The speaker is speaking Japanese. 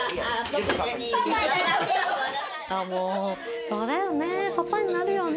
もうそうだよね